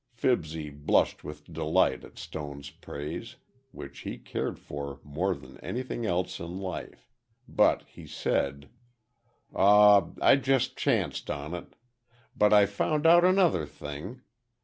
Fibsy blushed with delight at Stone's praise, which he cared for more than anything else in life, but he said: "Aw, I just chanced on it. But I found out another thing!